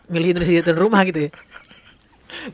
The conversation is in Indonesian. milih indonesia di aturan rumah gitu ya